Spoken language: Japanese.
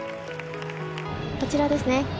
こちらですね